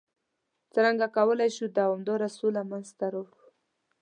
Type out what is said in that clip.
څرنګه کولای شو دوامداره سوله منځته راوړ؟